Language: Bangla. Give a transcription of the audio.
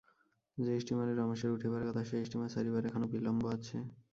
যে স্টীমারে রমেশের উঠিবার কথা সে স্টীমার ছাড়িবার এখনো বিলম্ব আছে।